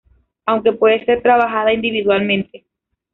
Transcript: Aunque puede ser trabajada individualmente.